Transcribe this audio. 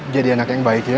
jadi anak yang baik ya